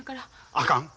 あかん！